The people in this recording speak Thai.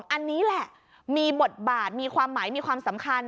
อันนี้แหละมีบทบาทมีความหมายมีความสำคัญ